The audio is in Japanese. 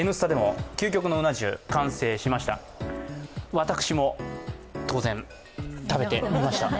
私も当然食べてみました。